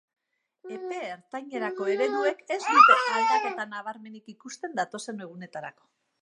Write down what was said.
Epe ertainerako ereduek ez dute aldaketa nabarmenik ikusten datozen egunetarako.